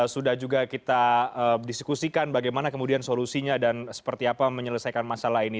sudah juga kita diskusikan bagaimana kemudian solusinya dan seperti apa menyelesaikan masalah ini